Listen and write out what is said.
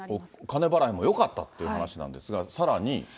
金払いもよかったって話なんですが、さらに。